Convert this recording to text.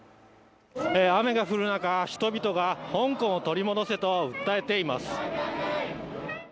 雨が降る中、人々が香港を取り戻せと訴えています。